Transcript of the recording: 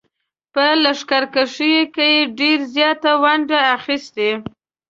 په لښکرکښیو کې یې ډېره زیاته ونډه اخیستې.